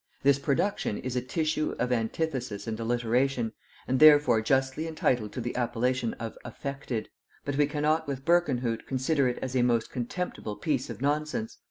"This production is a tissue of antithesis and alliteration, and therefore justly entitled to the appellation of affected; but we cannot with Berkenhout consider it as a most contemptible piece of nonsense.